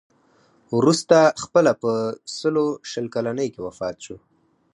وروسته خپله په سلو شل کلنۍ کې وفات شو.